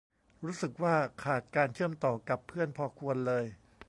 รู้สึกว่าขาดการเชื่อมต่อกับเพื่อนพอควรเลย